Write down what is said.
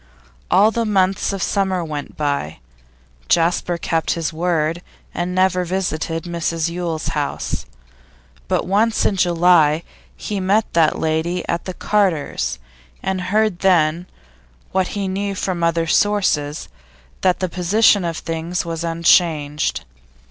All the months of summer went by. Jasper kept his word, and never visited Mrs Yule's house; but once in July he met that lady at the Carters', and heard then, what he knew from other sources, that the position of things was unchanged.